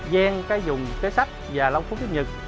gian cái dùng cái sách và long phú tiếp nhật